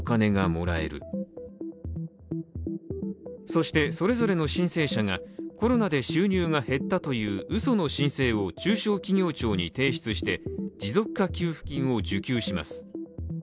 そして、それぞれの申請者がコロナで収入が減ったといううその申請を中小企業庁に提出して持続化給付金を受給します。